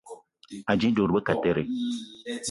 Anji dud be kateré